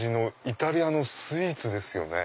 イタリアのスイーツですよね？